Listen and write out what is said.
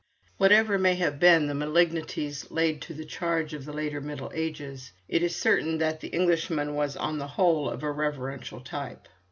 Whatever may have been the malignities laid to the charge of the later middle ages, it is certain that the Englishman was on the whole of a reverential type.